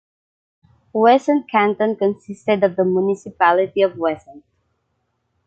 Ouessant Canton consisted of the municipality of Ouessant.